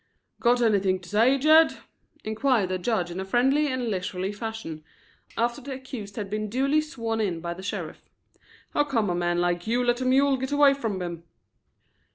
"Got anything to say, Jed?" inquired the judge in a friendly and leisurely fashion, after the accused had been duly sworn in by the sheriff. "How come a man like you to let a mule git away from him?"